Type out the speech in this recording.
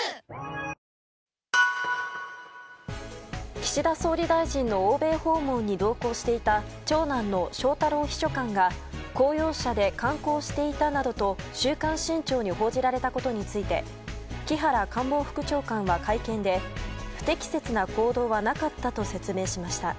岸田総理大臣の欧米訪問に同行していた長男の翔太郎秘書官が公用車で観光していたなどと「週刊新潮」に報じられたことについて木原官房副長官は会見で不適切な行動はなかったと説明しました。